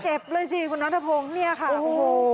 เจ็บเลยสิคุณนัทพงศ์เนี่ยค่ะโอ้โห